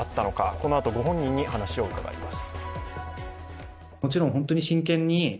このあと、ご本人にお話を伺います。